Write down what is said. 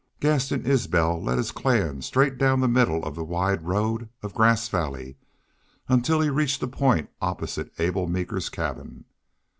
Gaston Isbel led his clan straight down the middle of the wide road of Grass Valley until he reached a point opposite Abel Meeker's cabin.